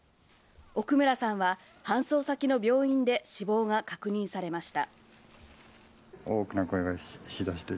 奥村さんは搬送先の病院で死亡が確認されました。